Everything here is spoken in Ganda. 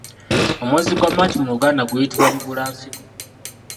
Omwezi gwa March mu luganda guyitibwa Mugulansigo.